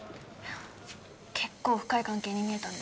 結構深い関係に見えたんで